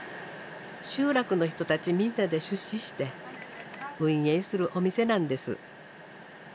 集落の人たちみんなで出資して運営するお店なんです。